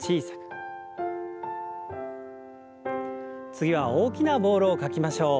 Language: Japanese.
次は大きなボールを描きましょう。